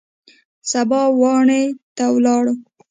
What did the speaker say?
سبا واڼې ته ولاړو.